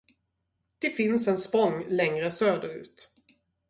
Det finns en spång längre söderut.